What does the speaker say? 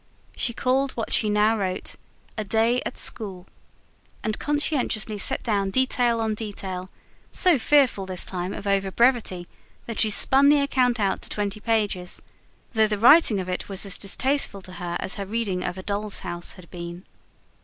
She called what she now wrote: "A Day at School", and conscientiously set down detail on detail; so fearful, this time, of over brevity, that she spun the account out to twenty pages; though the writing of it was as distasteful to her as her reading of A DOLL'S HOUSE had been.